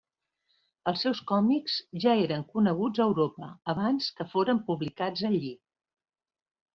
Els seus còmics ja eren coneguts a Europa abans que foren publicats allí.